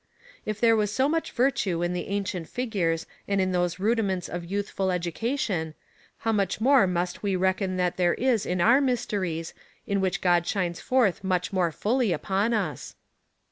" If there was so much virtue in the ancient figures and in those rudiments of youthful education, how much more must we reckon that there is in our mysteries, in which God shines forth much more fully upon us